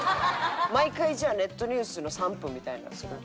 毎回じゃあネットニュースの３分みたいなんする？